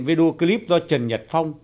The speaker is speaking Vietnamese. video clip do trần nhật phong